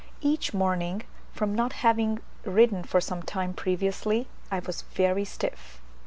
Each morning, from not having ridden for some time previously, I was very stiff.